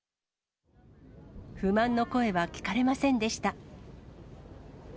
不満の声は聞かれませんでした。